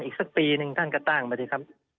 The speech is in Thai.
อีกสักปีหนึ่งท่านก็ตั้งมาสิครับ